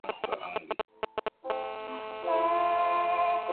مقبولیت کا تعلق عوامی مذاق سے ہے۔